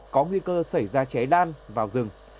có nguy cơ xảy ra cháy đan vào rừng